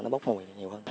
nó bốc mùi nhiều hơn